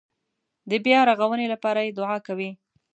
د بیارغونې لپاره یې دعا کوي.